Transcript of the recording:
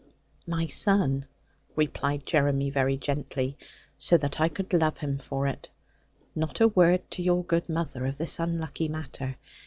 'My son,' replied Jeremy very gently, so that I could love him for it, 'not a word to your good mother of this unlucky matter.